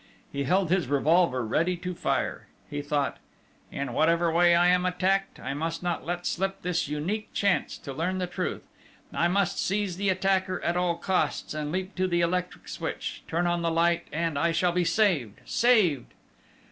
He held his revolver ready to fire. He thought: "In whatever way I am attacked, I must not let slip this unique chance to learn the truth! I must seize the attacker at all costs, and leap to the electric switch, turn on the light and I shall be saved! Saved!..."